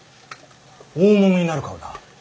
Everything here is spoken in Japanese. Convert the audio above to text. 大物になる顔だ。